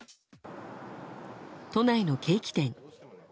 都内のケーキ店。